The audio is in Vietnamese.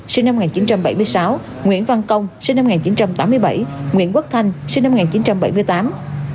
sinh năm một nghìn chín trăm bảy mươi sáu nguyễn văn công sinh năm một nghìn chín trăm tám mươi bảy nguyễn quốc thanh sinh năm một nghìn chín trăm bảy mươi tám